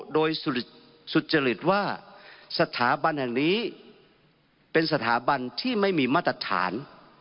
โดยสุจริตว่าสถาบันแห่งนี้เป็นสถาบันที่ไม่มีมาตรฐาน